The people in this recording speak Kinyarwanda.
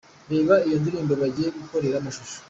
Reba iyo ndirimbo bagiye gukorera amashusho